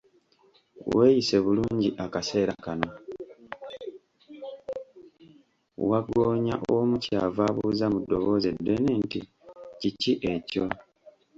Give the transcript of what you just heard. Wagggoonya omu ky'ava abuuza mu ddoboozi eddene nti, Kiki ekyo?